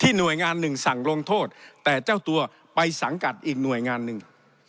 หน่วยงานหนึ่งสั่งลงโทษแต่เจ้าตัวไปสังกัดอีกหน่วยงานหนึ่ง